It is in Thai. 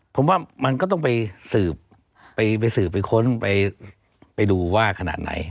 ผมว่ามันก็ต้องไปสืบไปสืบไปค้นไปดูว่าขนาดไหน